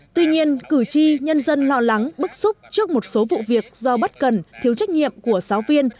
tuy nhiên cử tri nhân dân lo lắng bức xúc trước một số vụ việc do bất cần thiếu trách nhiệm của giáo viên